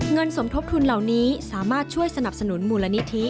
สมทบทุนเหล่านี้สามารถช่วยสนับสนุนมูลนิธิ